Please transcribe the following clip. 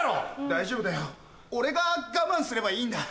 大丈夫だよ俺が我慢すればいいんだ！